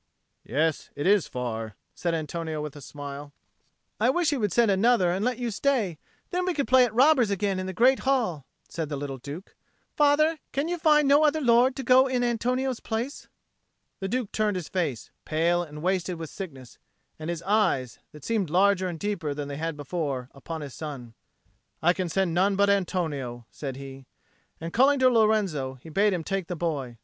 "Yes, it is far," said Antonio with a smile. "I wish he would send another and let you stay; then we could play at robbers again in the great hall," said the little Duke. "Father, can you find no other lord to go in Antonio's place?" The Duke turned his face, pale and wasted with sickness, and his eyes, that seemed larger and deeper than they had been before, upon his son. "I can send none but Antonio," said he. And calling to Lorenzo, he bade him take the boy.